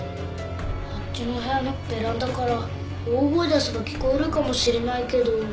あっちの部屋のベランダから大声出せば聞こえるかもしれないけど。